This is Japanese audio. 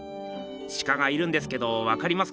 シカがいるんですけどわかりますか？